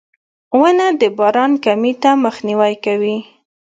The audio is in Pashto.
• ونه د باران کمي ته مخنیوی کوي.